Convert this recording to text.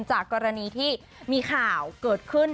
จากกรณีที่มีข่าวเกิดขึ้น